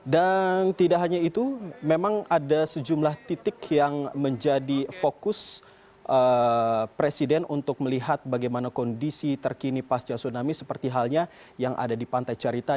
dan tidak hanya itu memang ada sejumlah titik yang menjadi fokus presiden untuk melihat bagaimana kondisi terkini pasca tsunami seperti halnya yang ada di pantai carita